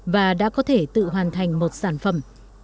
và đã có thể tự hoàn thành một sản phẩm